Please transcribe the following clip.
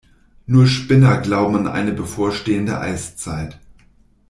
Nur Spinner glauben an eine bevorstehende Eiszeit.